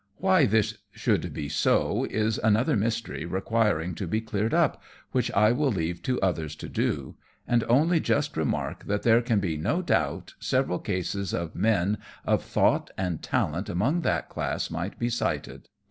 Why this should be so is another mystery requiring to be cleared up, which I will leave to others to do, and only just remark, that there can be no doubt several cases of men of thought and talent among that class might be cited.